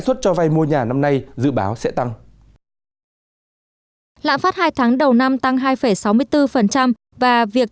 sẽ tác động đáng kể đến lãng phát trong những tháng tiếp theo